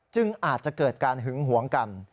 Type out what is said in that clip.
อาจจะเกิดการหึงหวงกัน